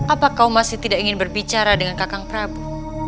apa kau masih tidak ingin berbicara dengan kakang prabu